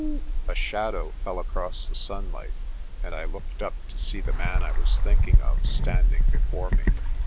A shadow fell across the sunlight, and I looked up to see the man I was thinking of standing before me.